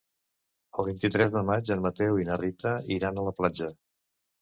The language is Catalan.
El vint-i-tres de maig en Mateu i na Rita iran a la platja.